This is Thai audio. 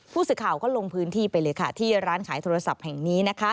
ผู้สื่อข่าวก็ลงพื้นที่ไปเลยค่ะที่ร้านขายโทรศัพท์แห่งนี้